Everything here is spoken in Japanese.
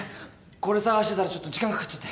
これ探してたらちょっと時間かかっちゃって。